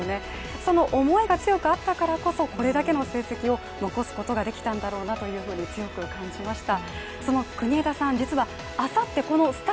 その思いが強くあったからこそこれだけの成績を残すことができたんだろうなと今日ひといきつきましたか？